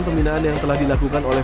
pembinaan yang telah dilakukan oleh